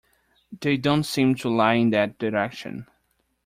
They don't seem to lie in that direction.